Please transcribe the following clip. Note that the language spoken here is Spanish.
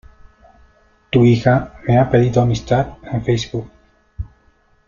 Tu hija me ha pedido amistad en Facebook.